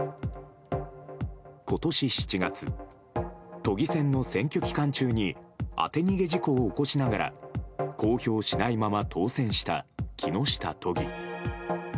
ことし７月、都議選の選挙期間中に、当て逃げ事故を起こしながら、公表しないまま当選した木下都議。